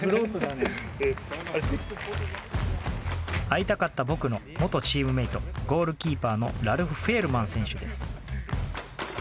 会いたかった僕の元チームメートゴールキーパーのラルフ・フェールマン選手です。